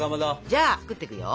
じゃあ作ってくよ。